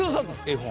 絵本。